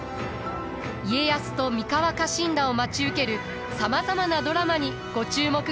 家康と三河家臣団を待ち受けるさまざまなドラマにご注目ください。